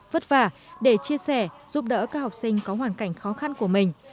vất vả để chia sẻ giúp đỡ các học sinh có hoàn cảnh khó khăn của mình